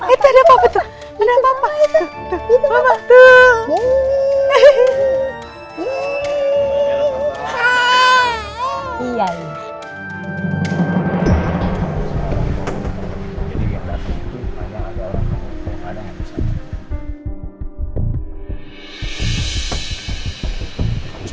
itu ada bapak itu ada bapak